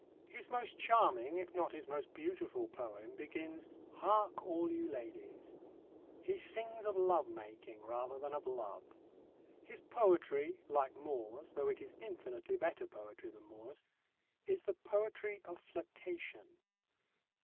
His most charming, if not his most beautiful poem begins: "Hark, all you ladies." He sings of love making rather than of love. His poetry, like Moore's though it is infinitely better poetry than Moore's is the poetry of flirtation.